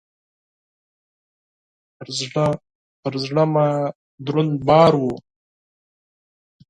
پر زړه مي دروند بار و .